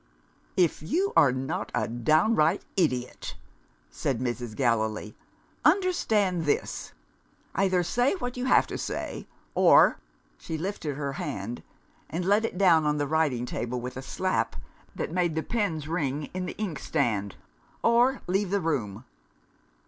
"If you are not a downright idiot," said Mrs. Gallilee, "understand this! Either say what you have to say, or " she lifted her hand, and let it down on the writing table with a slap that made the pens ring in the inkstand "or, leave the room!"